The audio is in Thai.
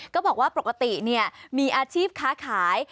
ก็บอกว่าปกติมีอาชีพค้าขาย